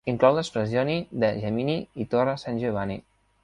Inclou les "frazioni" de Gemini i Torre San Giovanni.